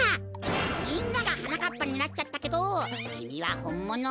みんながはなかっぱになっちゃったけどきみはほんもの？